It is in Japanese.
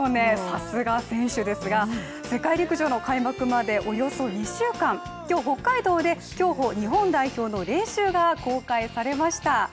さすが選手ですが、世界陸上の開幕までおよそ２週間、今日、北海道で競歩・日本代表の練習が公開されました。